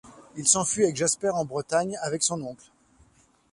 Il s'enfuit avec Jasper en Bretagne avec son oncle.